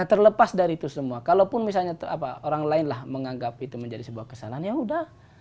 terlepas dari itu semua kalaupun misalnya orang lain lah menganggap itu menjadi sebuah kesalahan ya udah